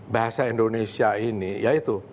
bahasa indonesia ini yaitu